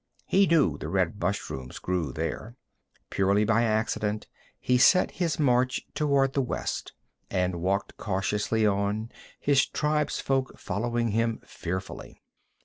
He knew the red mushrooms grew there. Purely by accident he set his march toward the west, and walked cautiously on, his tribesfolk following him fearfully.